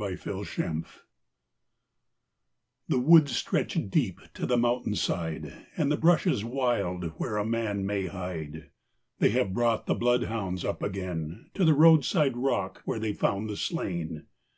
THE MAN HUNT The woods stretch deep to the mountain side, And the brush is wild where a man may hide. They have brought the bloodhounds up again To the roadside rock where they found the slain.